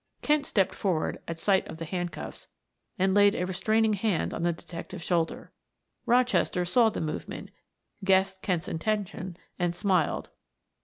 Kent stepped forward at sight of the handcuffs and laid a restraining hand on the detective's shoulder. Rochester saw the movement, guessed Kent's intention, and smiled.